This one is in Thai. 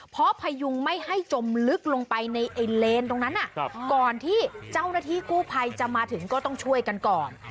เพราะพยุงไม่ให้จมลึกลงไปในเลนตรงนั้นก่อนที่เจ้าหน้าที่กู้ภัยจะมาถึงก็ต้องช่วยกันก่อน